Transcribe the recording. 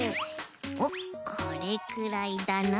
おっこれくらいだな。